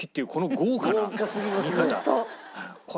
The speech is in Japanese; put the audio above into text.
豪華すぎますね。